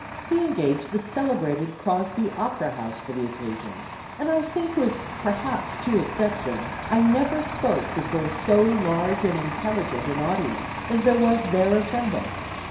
He engaged the celebrated Crosby Opera House for the occasion, and I think, with, perhaps, two exceptions, I never spoke before so large and intelligent an audience as was there assembled.